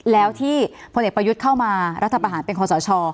แล้วที่พลเอกประยุทธ์เข้ามารัฐประหารเป็นคอสช